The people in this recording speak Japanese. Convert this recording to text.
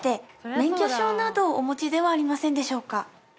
免許証などお持ちではありませんでしょうか？